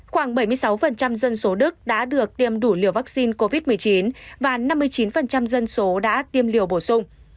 khoảng bảy mươi sáu dân số đức đã được tiêm đủ liều vaccine covid một mươi chín và năm mươi chín dân số đã tiêm liều bổ sung